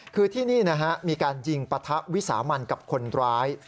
คือที่นี่นะฮะมีการยิงปะทะวิสามันกับคนร้าย